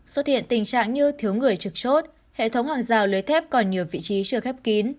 xuất hiện tình trạng như thiếu người trực chốt hệ thống hàng rào lưới thép còn nhiều vị trí chưa khép kín